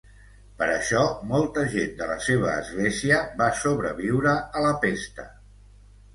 Per això, molta gent de la seva església va sobreviure a la pesta.